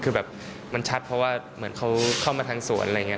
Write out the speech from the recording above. คือแบบมันชัดเพราะว่าเหมือนเขาเข้ามาทางสวนอะไรอย่างนี้